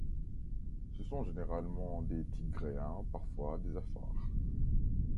Ce sont généralement des Tigréens, parfois des Afars.